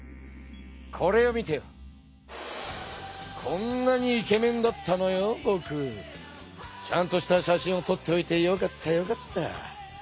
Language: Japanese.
こんなにイケメンだったのよぼく。ちゃんとした写真をとっておいてよかったよかった。